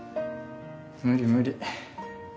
無理無理。